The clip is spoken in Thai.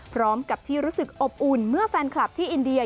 พร้อมกับที่รู้สึกอบอุ่นเมื่อแฟนคลับที่อินเดีย